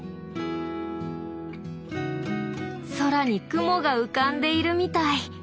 空に雲が浮かんでいるみたい。